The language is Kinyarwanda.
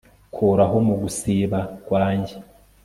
Kuraho mu gusiba kwanjye